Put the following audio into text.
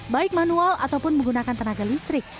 baik manual ataupun menggunakan tenaga listrik